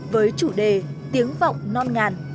với chủ đề tiếng vọng non ngàn